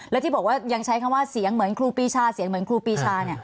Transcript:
และที่บอกว่ายังใช้คำว่าเสียงเหมือนครูปีชาเสียงเหมือนครูปีชา